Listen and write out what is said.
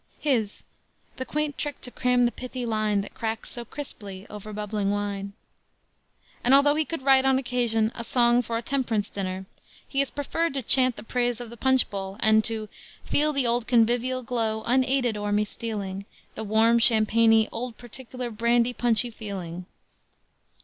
His "The quaint trick to cram the pithy line That cracks so crisply over bubbling wine." And although he could write on occasion a Song for a Temperance Dinner, he has preferred to chant the praise of the punch bowl and to "feel the old convivial glow (unaided) o'er me stealing, The warm, champagny, old particular brandy punchy feeling."